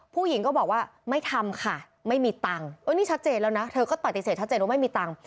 ผู้หญิงก็บอกว่าไม่ทำค่ะไม่มีตังค์นี่ชัดเจนแล้วนะเธอก็ปฏิเสธชัดเจนว่าไม่มีตังค์